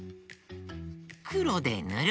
くろでぬる！